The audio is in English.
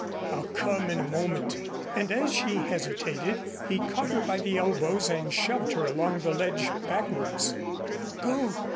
I'll come in a moment." And as she hesitated, he caught her by the elbows and shoved her along the ledge backwards. "Go!